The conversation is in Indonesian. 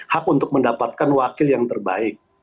hak untuk mendapatkan wakil yang terbaik